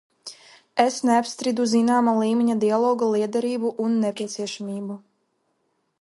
Es neapstrīdu zināma līmeņa dialoga lietderību un nepieciešamību.